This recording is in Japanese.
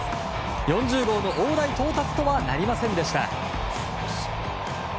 ４０号の大台到達とはなりませんでした。